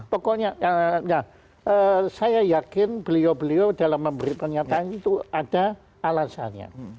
pokoknya saya yakin beliau beliau dalam memberi pernyataan itu ada alasannya